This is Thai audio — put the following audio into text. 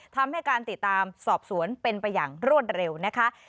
ทำให้การติดตามสอบสวนเป็นไปอย่างรวดเร็วนะคะ